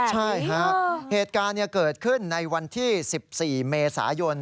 ใช่ฮะเหตุการณ์เกิดขึ้นในวันที่๑๔เมษายน